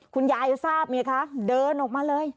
คุณยายทราบไงคะเดินออกมาเลย